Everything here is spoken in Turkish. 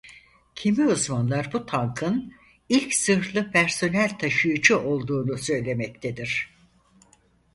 Kimi uzmanlar bu tankın ilk zırhlı personel taşıyıcı olduğunu söylemektedir.